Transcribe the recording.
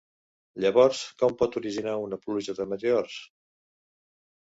Llavors, com pot originar una pluja de meteors?